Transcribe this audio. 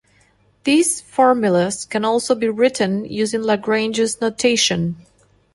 These formulas can also be written using Lagrange's notation.